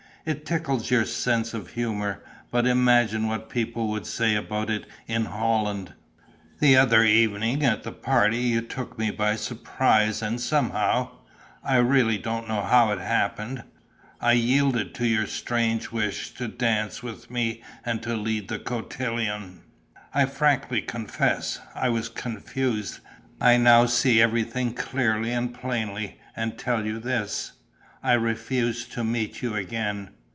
It tickles your sense of humour, but imagine what people would say about it in Holland!... The other evening, at the party, you took me by surprise and somehow I really don't know how it happened I yielded to your strange wish to dance with me and to lead the cotillon. I frankly confess, I was confused. I now see everything clearly and plainly and I tell you this: I refuse to meet you again.